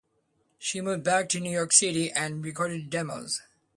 She moved back to New York City and recorded demos.